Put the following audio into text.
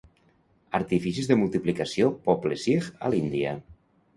Artificis de multiplicació poble sikh a l'Índia.